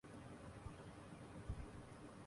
یوں لگتا تھا کہ جیسے کوئی بیش قیمت خزانہ ہاتھ لگا گیا